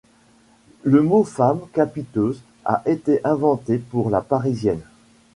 Le mot femme capiteuse a été inventé pour la parisienne.